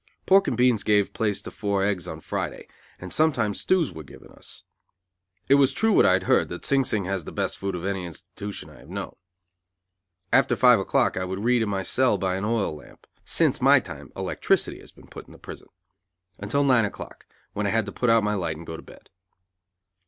Pork and beans gave place to four eggs on Friday, and sometimes stews were given us. It was true what I'd heard, that Sing Sing has the best food of any institution I have known. After five o'clock I would read in my cell by an oil lamp (since my time electricity has been put in the prison) until nine o'clock, when I had to put out my light and go to bed.